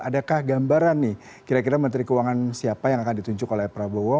adakah gambaran nih kira kira menteri keuangan siapa yang akan ditunjuk oleh prabowo